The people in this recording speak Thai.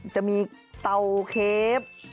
จะมีเตาเคฟ